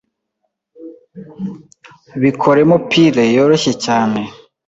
Bikoremo puree yoroshye cyane